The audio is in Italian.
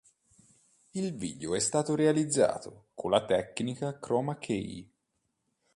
Il video è stato realizzato con la tecnica chroma key.